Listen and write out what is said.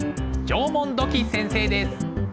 縄文土器先生です。